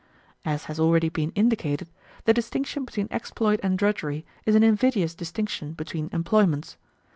As has already been indicated, the distinction between exploit and drudgery is an invidious distinction between employments.